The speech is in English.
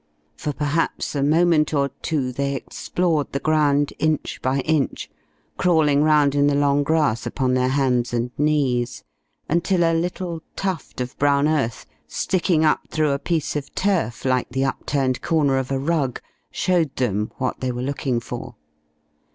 For perhaps a moment or two they explored the ground inch by inch, crawling round in the long grass upon their hands and knees, until a little tuft of brown earth sticking up through a piece of turf, like the upturned corner of a rug, showed them what they were looking for.